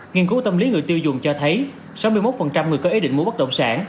nghiên cứu tâm lý người tiêu dùng cho thấy sáu mươi một người có ý định mua bất động sản